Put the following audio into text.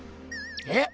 えっ？